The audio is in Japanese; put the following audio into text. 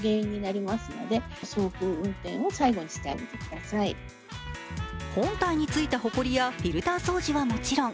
まずは本体についたほこりやフィルター掃除はもちろん